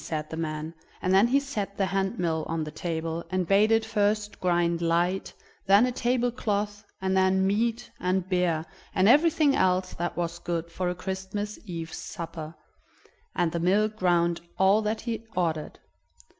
said the man, and then he set the hand mill on the table, and bade it first grind light, then a table cloth, and then meat, and beer, and everything else that was good for a Christmas Eve's supper; and the mill ground all that he ordered.